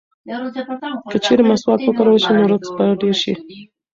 که چېرې مسواک وکارول شي نو رزق به ډېر شي.